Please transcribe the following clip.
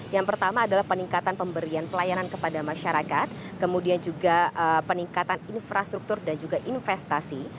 yang pertama adalah peningkatan pemberian pelayanan kepada masyarakat kemudian juga peningkatan infrastruktur dan juga investasi